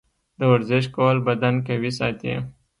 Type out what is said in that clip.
د ورزش کول بدن قوي ساتي.